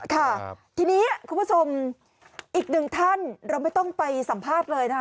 ค่ะทีนี้คุณผู้ชมอีกหนึ่งท่านเราไม่ต้องไปสัมภาษณ์เลยนะคะ